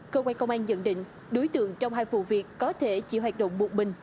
cơ quan công an nhận định đối tượng trong hai vụ việc có thể chỉ hoạt động một mình